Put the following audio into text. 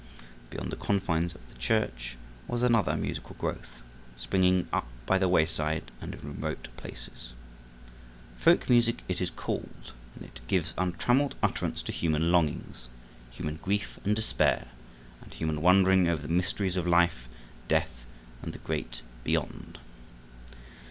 Beyond the confines of the church was another musical growth, springing up by the wayside and in remote places. Folk music it is called, and it gives untrammeled utterance to human longings, human grief and despair, and human wondering over the mysteries of life, death and the great Beyond.